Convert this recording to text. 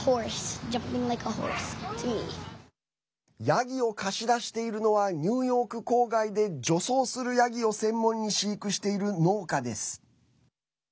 ヤギを貸し出しているのはニューヨーク郊外で除草するヤギを専門に飼育している農家です。